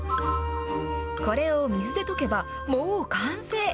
これを水で溶けば、もう完成。